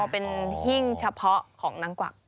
เป็นหิ้งเฉพาะของนางกวัก